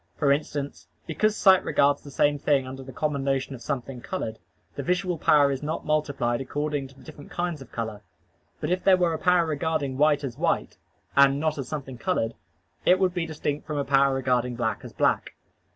For instance, because sight regards the visible thing under the common notion of something colored, the visual power is not multiplied according to the different kinds of color: but if there were a power regarding white as white, and not as something colored, it would be distinct from a power regarding black as black.